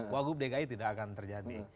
wagub dki tidak akan terjadi